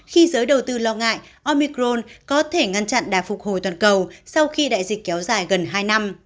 khi giới đầu tư lo ngại omicron có thể ngăn chặn đà phục hồi toàn cầu sau khi đại dịch kéo dài gần hai năm